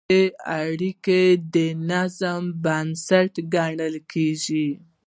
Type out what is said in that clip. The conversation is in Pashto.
دا اړیکه د نظم بنسټ ګڼل کېږي.